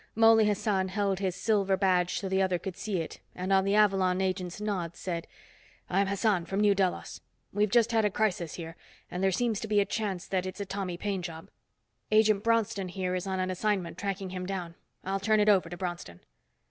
Mouley Hassan held his silver badge so the other could see it and on the Avalon agent's nod said, "I'm Hassan from New Delos. We've just had a crisis here and there seems to be a chance that it's a Tommy Paine job. Agent Bronston here is on an assignment tracking him down. I'll turn it over to Bronston."